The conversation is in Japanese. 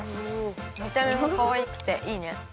みためもかわいくていいね。